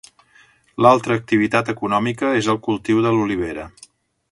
L'altra activitat econòmica és el cultiu de l'olivera.